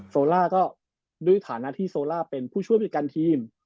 โซล่าก็ด้วยฐานะที่โซล่าเป็นผู้ช่วยผู้จัดการทีม